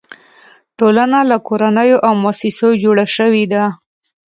ټولنه له کورنیو او مؤسسو جوړه شوې ده.